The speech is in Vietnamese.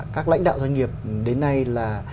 các lãnh đạo doanh nghiệp đến nay là